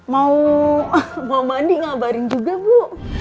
mau bawa mandi ngabarin juga bu